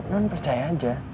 non percaya aja